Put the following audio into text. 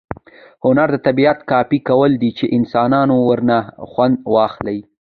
هنر د طبیعت کاپي کول دي، چي انسانان ورنه خوند واخلي.